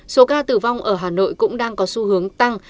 số ca tử vong ở hà nội cũng đang có xu hướng tăng